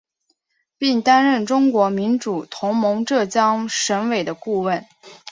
并担任中国民主同盟浙江省委的顾问。